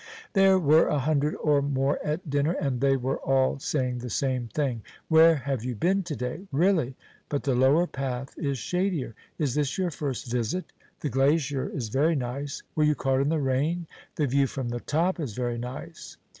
There were a hundred or more at dinner, and they were all saying the same thing: "Where have you been to day?" "Really! but the lower path is shadier." "Is this your first visit?" "The glacier is very nice." "Were you caught in the rain?" "The view from the top is very nice."